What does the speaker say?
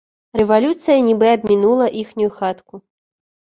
Рэвалюцыя нібы абмінула іхнюю хатку.